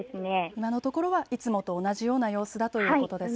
今のところはいつもと同じような様子だということです。